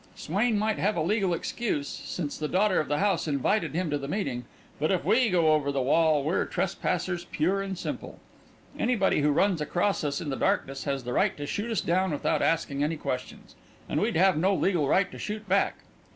Swain might have a legal excuse, since the daughter of the house invited him to a meeting; but if we go over the wall, we're trespassers pure and simple. Anybody who runs across us in the darkness has the right to shoot us down without asking any questions and we'd have no legal right to shoot back!"